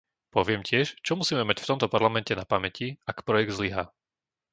Poviem tiež, čo musíme mať v tomto Parlamente na pamäti, ak projekt zlyhá.